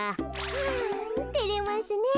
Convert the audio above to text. はあてれますねえ。